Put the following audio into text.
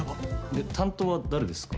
で担当は誰ですか？